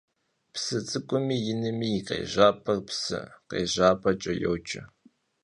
Psı ts'ık'umi yinmi yi khêjap'em psı khêjjap'eç'e yoce.